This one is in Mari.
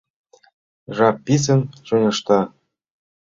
Жап писын чоҥешта